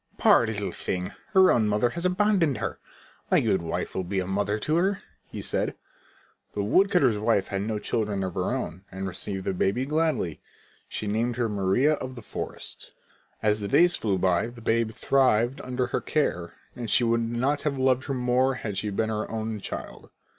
"Poor little thing! Her own mother has abandoned her. My good wife will be a mother to her," he said. The woodcutter's wife had no children of her own and received the baby gladly. She named her Maria of the forest. As the days flew by and the babe thrived under her care, she could not have loved her more had she been her own child.